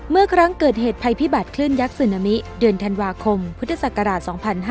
เมื่อครั้งเกิดเหตุภัยพิบัตรคลื่นยักษ์ซึนามิเดือนธันวาคมพุทธศักราช๒๕๕๙